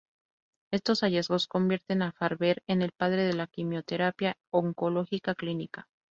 Estos hallazgos convierten a Farber en el padre de la quimioterapia oncológica clínica.